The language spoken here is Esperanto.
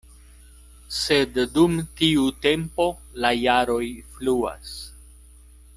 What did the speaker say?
Sed dum tiu tempo la jaroj fluas.